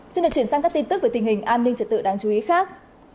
xin được chuyển sang các tin tức về tình hình an ninh trật tự đáng chú ý khác